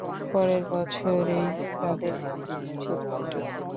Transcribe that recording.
পরের বছরেই তাদের বিবাহবিচ্ছেদ ঘটে।